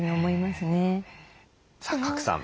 さあ賀来さん